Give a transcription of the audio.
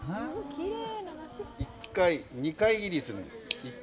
１回、２回切りするんです。